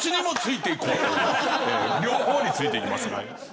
両方についていきます。